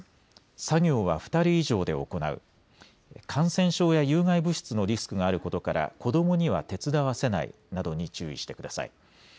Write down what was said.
作業は２人以上で行う、感染症や有害物質のリスクがあることから子どもには手伝わせないなどに注意してください。